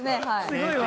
すごいわ。